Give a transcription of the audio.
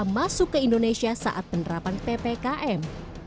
masuk ke indonesia saat penerapan ppkm